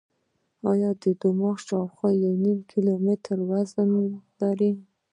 دماغ شاوخوا یو نیم کیلو وزن لري.